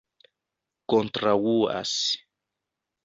kontraŭas